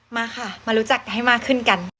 มาค่ะมารู้จักให้มากขึ้นกัน